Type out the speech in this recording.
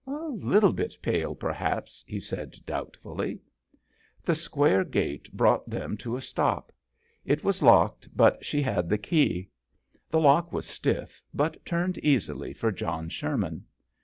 " A little bit pale, perhaps," he said, doubtfully. The Square gate brought them to a stop. It was locked, but she had the key. The lock was stiff, but turned easily for John Sher man.